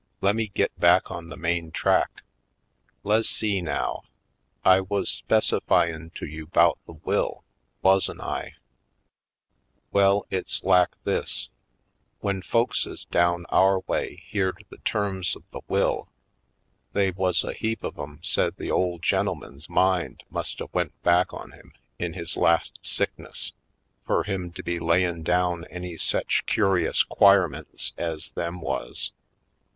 Lemme git back on the main track. Le's see, now? I wuz specifyin' to you 'bout the will, wuzn' I? "Well, it's lak this: Wen folkses down Sable Plots 213 our way beared the terms of the will they wuz a heap of 'em said the old gen'elman's mind must a went back on him in his last sickness fur him to be layin' down any sech curious 'quiremints ez them wuz.